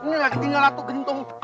ini lagi tinggal satu gentong